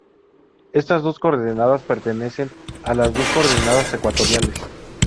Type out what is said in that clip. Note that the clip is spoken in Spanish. Estas dos coordenadas pertenecen a las coordenadas ecuatoriales.